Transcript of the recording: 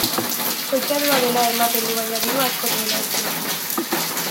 Koitadua dela ematen du baina diru asko dutela entzuna dut.